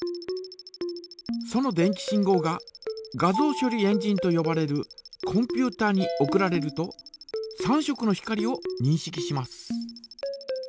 その電気信号が画像処理エンジンとよばれるコンピュータに送られると３色の光をにんしきします。